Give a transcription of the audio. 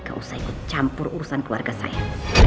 gak usah ikut campur urusan keluarga saya